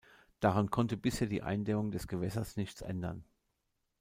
Daran konnte bisher die Eindämmung des Gewässers nichts ändern.